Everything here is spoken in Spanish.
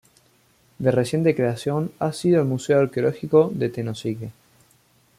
De reciente creación ha sido el Museo Arqueológico de Tenosique.